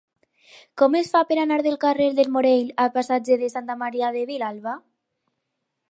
Com es fa per anar del carrer del Morell al passatge de Santa Maria de Vilalba?